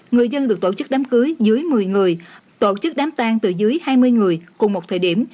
người dân được tổ chức đám cưới dưới một mươi người tổ chức đám tan từ dưới hai mươi người cùng một thời điểm